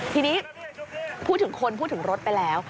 ทีนี้พูดถึงคนพูดถึงรถไปแล้ว